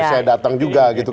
saya datang juga gitu